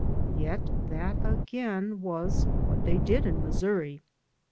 Yet that, again, was what they did in Missouri.